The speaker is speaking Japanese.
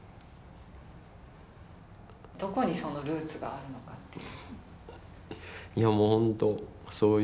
どこにそのルーツがあるのかっていう。